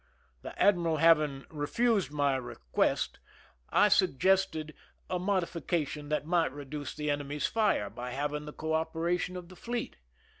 The admiral having refused my request, I suggested a 70 THE RUN IN \ modification ihat might reduce the enemy's fire, by ( having the cooperation of the fleet.